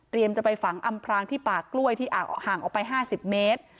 จะไปฝังอำพรางที่ป่ากล้วยที่ห่างออกไป๕๐เมตร